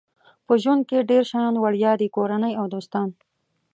په ژوند کې ډېر شیان وړیا دي کورنۍ او دوستان.